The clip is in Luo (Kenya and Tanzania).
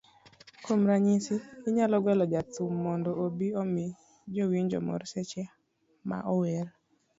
Kuom ranyisi, inyalo gwelo jathum mondo obi omi jowinjo mor seche ma ower